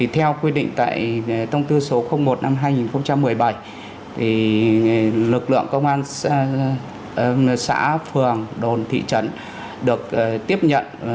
theo quy định tại thông tư số một năm hai nghìn một mươi bảy lực lượng công an xã phường đồn thị trấn được tiếp nhận